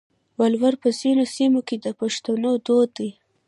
ولور په ځینو سیمو کې د پښتنو دود دی.